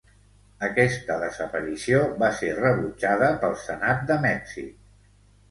Aquesta desaparició va ser rebutjada pel Senat de Mèxic.